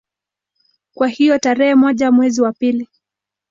Kwa hiyo tarehe moja mwezi wa pili